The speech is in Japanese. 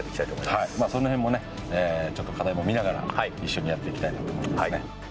まあその辺もねちょっと課題も見ながら一緒にやっていきたいなと。